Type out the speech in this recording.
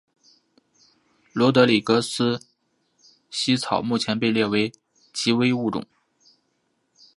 罗德里格斯茜草目前被列为极危物种。